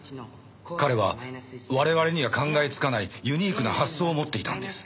彼は我々には考えつかないユニークな発想を持っていたんです。